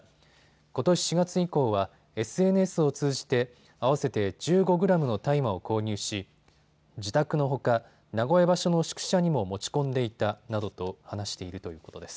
ことし４月以降はＳＮＳを通じて合わせて１５グラムの大麻を購入し自宅のほか名古屋場所の宿舎にも持ち込んでいたなどと話しているということです。